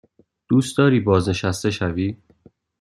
دوست داری بازنشسته شوی؟